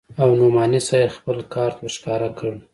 او نعماني صاحب خپل کارت ورښکاره کړ.